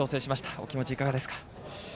お気持ち、いかがですか。